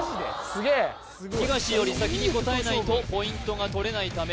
すげえ！東より先に答えないとポイントが取れないため